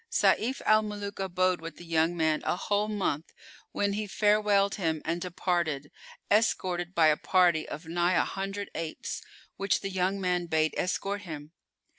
Sayf al Muluk abode with the young man a whole month when he farewelled him and departed, escorted by a party of nigh a hundred apes, which the young man bade escort him.